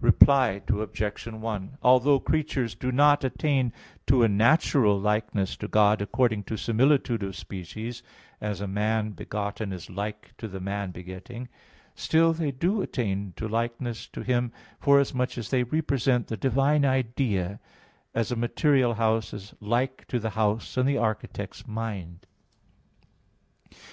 Reply Obj. 1: Although creatures do not attain to a natural likeness to God according to similitude of species, as a man begotten is like to the man begetting, still they do attain to likeness to Him, forasmuch as they represent the divine idea, as a material house is like to the house in the architect's mind.